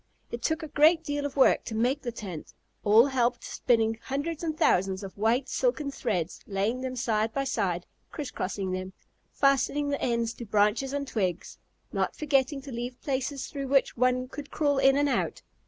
It took a great deal of work to make the tent. All helped, spinning hundreds and thousands of white silken threads, laying them side by side, criss crossing them, fastening the ends to branches and twigs, not forgetting to leave places through which one could crawl in and out.